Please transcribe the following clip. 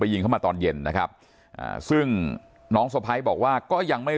ยิงเข้ามาตอนเย็นนะครับอ่าซึ่งน้องสะพ้ายบอกว่าก็ยังไม่